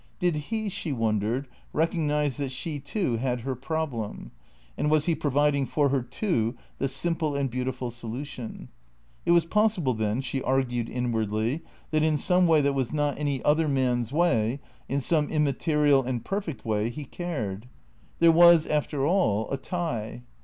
Did he, she wondered, recognize that she too had her problem ; and was he providing for her too the simple and beautiful solution? It was possible, then, she argued inwardly, that in some way that was not any other man's way, in some immaterial and perfect way, he cared. There was after all a tie.